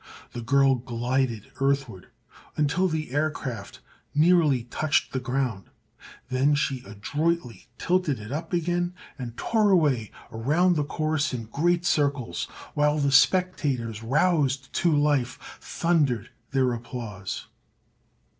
The girl glided earthward until the aircraft nearly touched the ground; then she adroitly tilted it up again and tore away around the course in great circles, while the spectators, roused to life, thundered their applause.